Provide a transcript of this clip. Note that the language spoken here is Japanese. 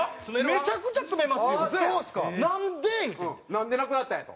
「なんでなくなったんや？」と。